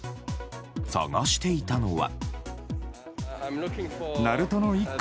探していたのは。